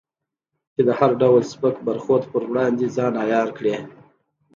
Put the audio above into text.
چې د هر ډول سپک برخورد پر وړاندې ځان عیار کړې.